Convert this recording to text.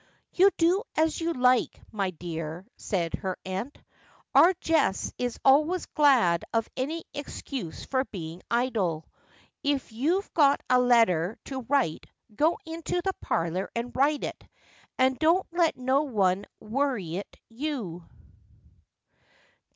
' You do as you like, my dear,' said her aunt. ' Our Jess is always glad of any excuse for being idle. If you've got a letter to write, go into the parlour and write it, and don't let no one worrit you.